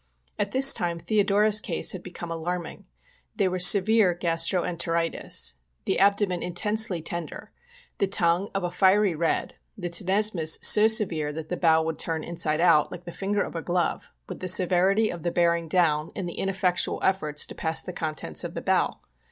At this time Theodora's case had become alarming ; there was a severe gastro enteritis ; the abdomen intensely tender ; the tongue of a fiery red ; the tenesmus so severe that the bowel would turn inside out, like the finger of a glove, with the severity of the bearing down in the ineffectual efforts to pass the contents of the bowel.